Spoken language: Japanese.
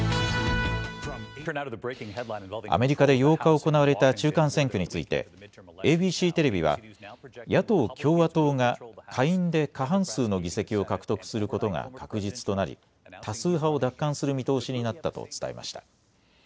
アメリカで８日行われた中間選挙についてＡＢＣテレビは野党・共和党が下院で過半数の議席を獲得することが確実となり多数派を奪還する見通しになったと伝えました。